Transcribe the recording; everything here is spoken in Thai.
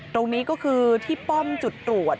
ตรงนี้ก็คือที่ป้อมจุดตรวจ